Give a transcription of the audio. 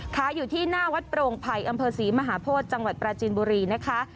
ค้าอยู่ที่หน้าวัดโปร่งไผ่อำเภอศรีมหาโพธิจังหวัดปราจีนบุรีนะคะ